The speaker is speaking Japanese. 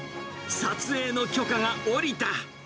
撮影の許可が下りた。